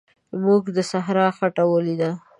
موږ د صحرا خټه ولیده.